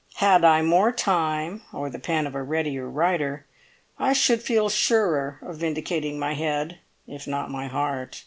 Had I more time, or the pen of a readier writer, I should feel surer of vindicating my head if not my heart.